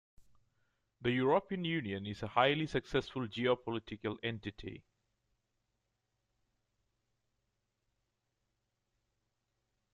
The European Union is a highly successful geopolitical entity.